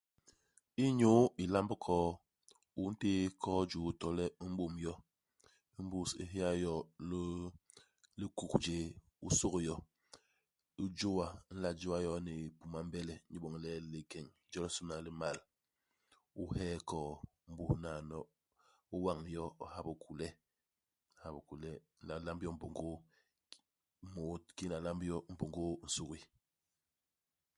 Inyu ilamb koo, u ntéé koo i juu to le u m'bôm yo. Imbus u héya yo i li likuk jéé? U sôk jo. U jôa. U nla jôa yo ni hipuma hi mbele inyu iboñ le lingeñ jolisôna li m'mal. U hee koo. Imbus naano, u wañ yo. U ha bikule. U ha bikule. U nla lamb yo mbôngôô môô, kiki u nla lamb yo mbôngôô nsugi.